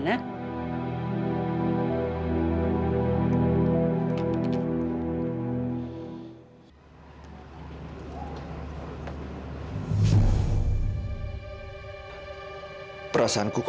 nggak mau alena